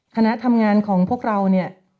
คณะทำงานของพวกเราเนี่ย